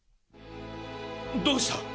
どうした？